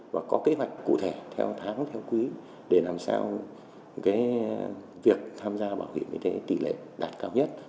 và có kế hoạch cụ thể theo tháng theo quý để làm sao việc tham gia bảo hiểm y tế tỷ lệ đạt cao nhất